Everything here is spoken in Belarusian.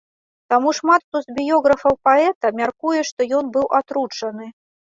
Таму шмат хто з біёграфаў паэта мяркуе, што ён быў атручаны.